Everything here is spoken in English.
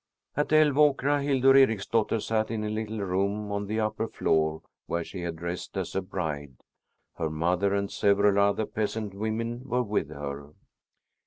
At Älvåkra Hildur Ericsdotter sat in a little room on the upper floor where she had dressed as a bride. Her mother and several other peasant women were with her.